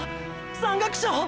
山岳賞！！